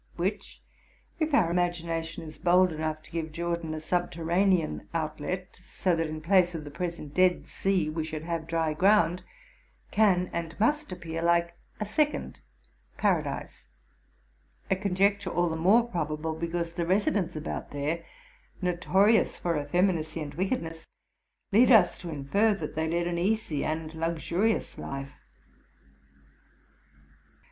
which, if our imagination is bold enough to give Jordan a subterranean outlet, so that, in place of the present Dead Sea, we should have dry ground, can and must appear like a second Paradise, sonjecture : ull the more probable, because the residents about there, notorious for effeminacy and wickedness, lead us to infer that they led an easy and luxurious life.